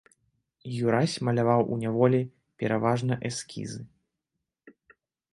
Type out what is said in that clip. Юрась маляваў у няволі пераважна эскізы.